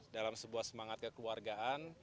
dalam sebuah semangat kekeluargaan